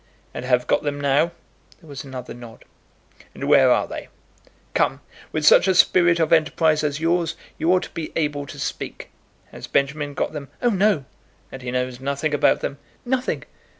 "And have got them now?" There was another nod. "And where are they? Come; with such a spirit of enterprise as yours you ought to be able to speak. Has Benjamin got them?" "Oh, no." "And he knows nothing about them?" "Nothing."